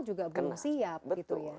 tidak bisa dikenal